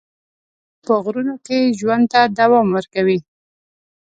دوی په غرونو کې ژوند ته دوام ورکوي.